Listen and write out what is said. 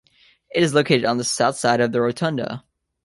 It is located on the south side of the rotunda.